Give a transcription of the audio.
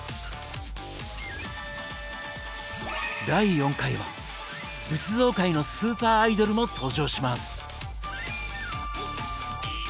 第４回は仏像界のスーパーアイドルも登場します。